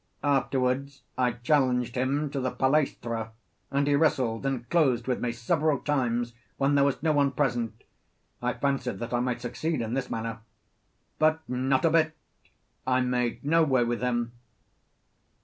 Afterwards I challenged him to the palaestra; and he wrestled and closed with me several times when there was no one present; I fancied that I might succeed in this manner. Not a bit; I made no way with him.